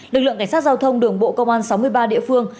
lực lượng cảnh sát giao thông đường bộ công an sáu mươi ba địa phương